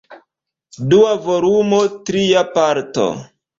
Dua volumo, Tria Parto.